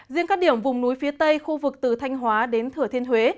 riêng các điểm vùng núi phía tây khu vực từ thanh hóa đến thừa thiên huế